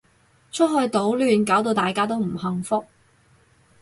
出去搗亂搞到大家都唔幸福